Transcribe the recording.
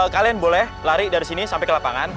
kalian boleh lari dari sini sampai ke lapangan